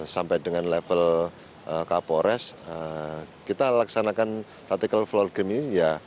sampai dengan level kapolres kita laksanakan tactical floor game ini ya